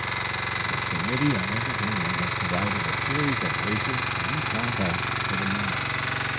The committee on entertainment had provided a series of races and contests for the morning.